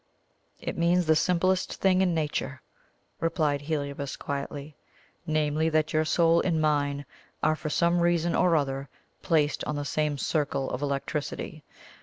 "It means the simplest thing in nature," replied Heliobas quietly, "namely, that your soul and mine are for some reason or other placed on the same circle of electricity.